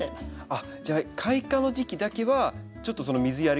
あっじゃあ開花の時期だけはちょっとその水やりが。